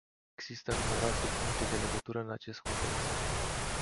Există numeroase puncte de legătură în acest context.